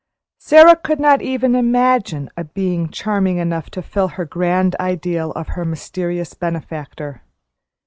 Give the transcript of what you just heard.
Sara could not even imagine a being charming enough to fill her grand ideal of her mysterious benefactor.